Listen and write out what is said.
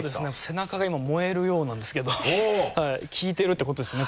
背中が今燃えるようなんですけど効いてるってことですよね？